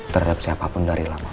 terhadap siapapun dari lama